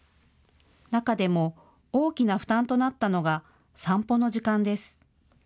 中でも大きな負担となったのが散歩の時間です。